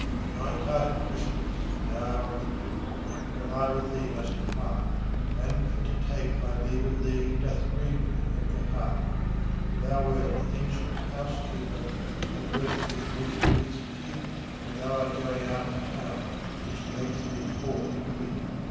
Kind hearted Christmas, now adieu, For I with thee must part, And for to take my leave of thee Doth grieve me at the heart; Thou wert an ancient housekeeper, And mirth with meat didst keep, But thou art going out of town, Which makes me for to weep.